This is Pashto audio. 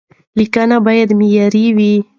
لیکنه باید معیاري وي.